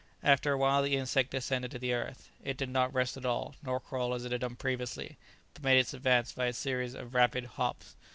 After a while the insect descended to the earth; it did not rest at all, nor crawl as it had done previously, but made its advance by a series of rapid hops.